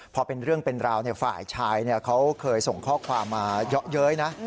พอเป็นเรื่องเป็นราวฝ่ายชายเขาเคยส่งข้อความมาเยอะเย้ยนะ